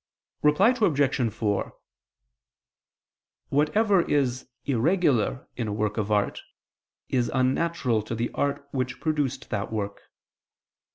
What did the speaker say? Reply Obj. 4: Whatever is irregular in a work of art, is unnatural to the art which produced that work.